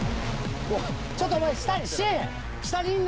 ちょっとお前。